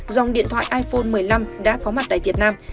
dòng điện thoại iphone một mươi năm đã có mặt tại việt nam